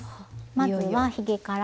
まずはひげから。